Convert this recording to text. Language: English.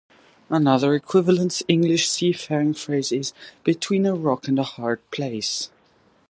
Another equivalent English seafaring phrase is, "Between a rock and a hard place".